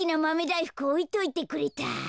だいふくおいといてくれた。